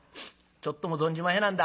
ちょっとも存じまへなんだ。